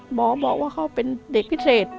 หมอบอกว่าเขาเป็นเด็กพิเศษ